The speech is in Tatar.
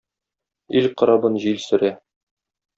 Ил корабын җил сөрә!..